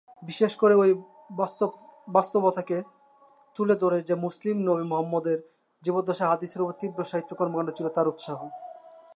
বিশেষ করে এই বাস্তবতাকে তুলে ধরে যে মুসলিম নবী মুহাম্মদের জীবদ্দশায় হাদিসের উপর তীব্র সাহিত্য কর্মকাণ্ড ছিল তার উৎসাহে।